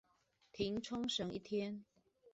停沖繩一天